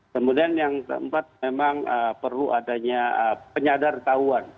kemudian yang keempat memang perlu adanya penyadar tahuan